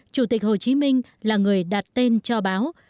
chủ tịch hồ chí minh là người đặt tên cho báo